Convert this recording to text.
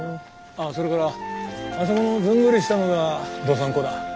あそれからあそこのずんぐりしたのが道産子だ。